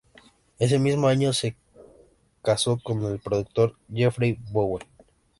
Ese mismo año se casó con el productor Jeffrey Bowen.